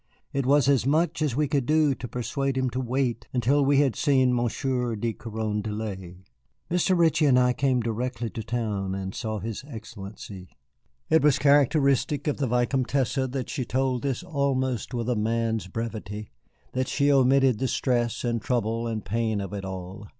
It was as much as we could do to persuade him to wait until we had seen Monsieur de Carondelet. Mr. Ritchie and I came directly to town and saw his Excellency." It was characteristic of the Vicomtesse that she told this almost with a man's brevity, that she omitted the stress and trouble and pain of it all.